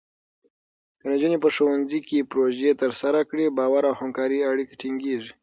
که نجونې په ښوونځي کې پروژې ترسره کړي، باور او همکارۍ اړیکې ټینګېږي.